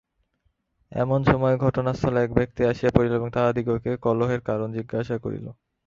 এমন সময়ে ঘটনাস্থলে একব্যক্তি আসিয়া পড়িল এবং তাহাদিগকে কলহের কারণ জিজ্ঞাসা করিল।